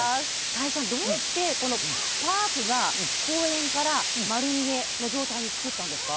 田井さん、どうしてこのパークが公園から丸見えの状態で作ったんですか？